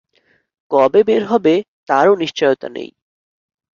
কবে বের হবে, তারও নিশ্চয়তা নেই।